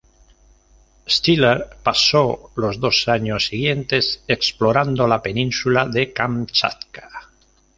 Steller pasó los dos años siguientes explorando la península de Kamchatka.